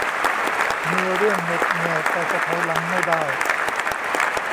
มีเรื่องเหน็ดเหนื่อยแต่จะถอยหลังไม่ได้